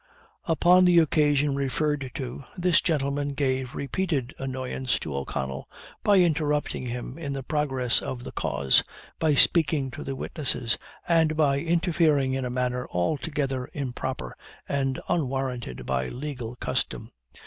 "Upon the occasion referred to, this gentleman gave repeated annoyance to O'Connell by interrupting him in the progress of the cause by speaking to the witnesses and by interfering in a manner altogether improper, and unwarranted by legal custom.